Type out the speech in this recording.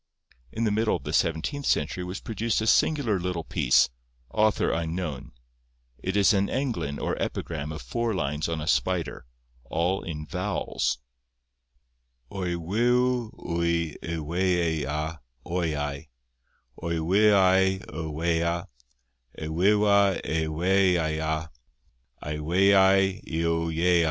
In the middle of the seventeenth century was produced a singular little piece, author unknown: it is an englyn or epigram of four lines on a spider, all in vowels:— 'O'i wiw wy i weu e â,—o'i au, O'i wyau y weua; E wywa ei we' aua,' A'i weuai yw ieuau ia.